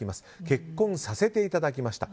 結婚させていただきました。